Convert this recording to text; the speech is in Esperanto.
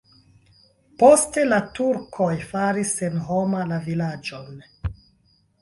Poste la turkoj faris senhoma la vilaĝon.